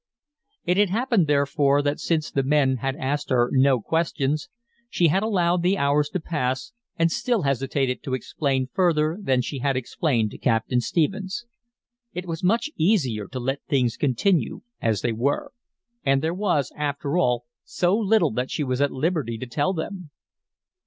It had happened, therefore, that since the men had asked her no questions, she had allowed the hours to pass and still hesitated to explain further than she had explained to Captain Stephens. It was much easier to let things continue as they were; and there was, after all, so little that she was at liberty to tell them.